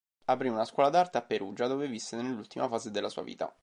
Aprì una scuola d'arte a Perugia dove visse nell'ultima fase della sua vita.